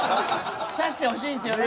差してほしいんすよね。